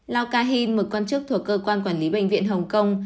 lau ka hin một quan chức thuộc cơ quan quản lý bệnh viện hồng kông